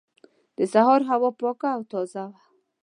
د سهار هوا پاکه او تازه وه.